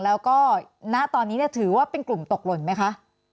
แล้วก็ณตอนนี้ถือว่าเป็นกลุ่มตกหล่นไหมคะ